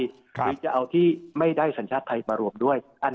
หรือจะเอาที่ไม่ได้สัญชาติไทยมารวมด้วย